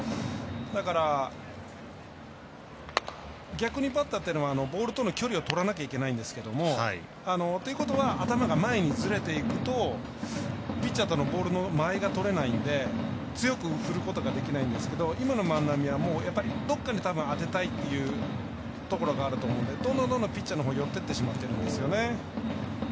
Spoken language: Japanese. だから逆にバッターっていうのはボールとの距離をとらなくてはいけないんですけどということは頭が前にずれていくとピッチャーとのボールの間合いが取れないので強く振ることができないんですけど今の万波はどこかに当てたいっていうところがあると思うのでどんどんピッチャーのほうに寄っていってしまってるんですよね。